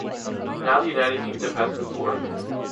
Now the United Kingdom has the floor.